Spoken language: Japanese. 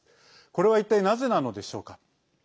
これは一体なぜなのでしょうか。